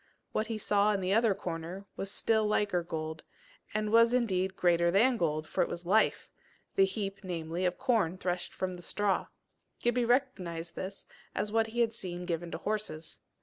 What he saw in the other corner was still liker gold, and was indeed greater than gold, for it was life the heap, namely, of corn threshed from the straw: Gibbie recognized this as what he had seen given to horses.